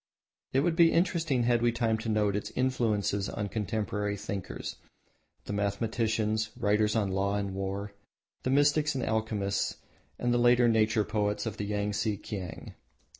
It would be interesting had we time to note its influence on contemporary thinkers, the mathematicians, writers on law and war, the mystics and alchemists and the later nature poets of the Yangtse Kiang.